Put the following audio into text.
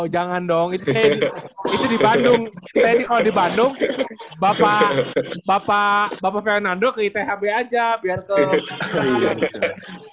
jangan dong itu di bandung tni kalau di bandung bapak fernando ke ithb aja biar ke